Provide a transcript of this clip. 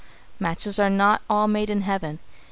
Matches are not all made in heaven.